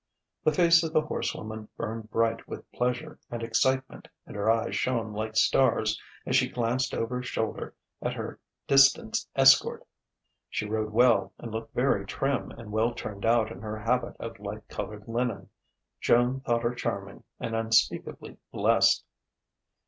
The face of the horsewoman burned bright with pleasure and excitement and her eyes shone like stars as she glanced over shoulder at her distanced escort. She rode well and looked very trim and well turned out in her habit of light coloured linen. Joan thought her charming and unspeakably blessed.